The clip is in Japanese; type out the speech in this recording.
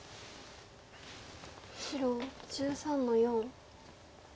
白１３の四。